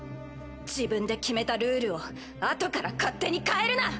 自分で決めたルールをあとから勝手に変えるな。